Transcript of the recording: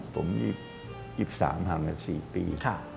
ผม๒๓ห่างกัน๔ปี